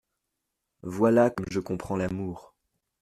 Voilà comme je comprends l’amour !